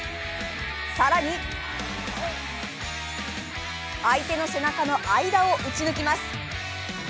更に相手の背中の間を打ち抜きます。